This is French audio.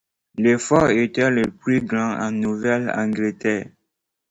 Le fort était le plus grand en Nouvelle-Angleterre.